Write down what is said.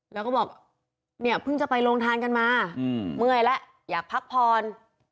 แล้วก็บอกเนี่ยเพิ่งจะไปโรงทานกันมาเมื่อยแล้วอยากพักผ่อน